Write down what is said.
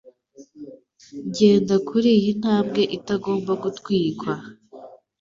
genda kuriyi ntambwe itagomba gutwikwa